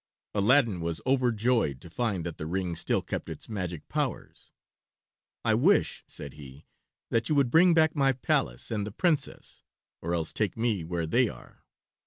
Aladdin was overjoyed to find that the ring still kept its magic powers. "I wish," said he, "that you would bring back my palace and the Princess, or else take me where they are."